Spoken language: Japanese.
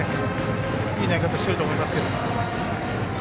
いい投げ方をしていると思います。